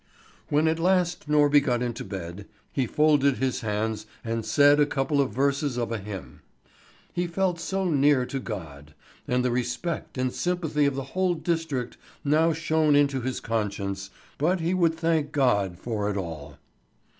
When at last Norby got into bed, he folded his hands and said a couple of verses of a hymn. He felt so near to God; and the respect and sympathy of the whole district now shone into his conscience, but he would thank God for it all.